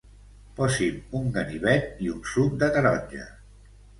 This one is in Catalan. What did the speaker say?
Posi'm un ganivet i un suc de taronja.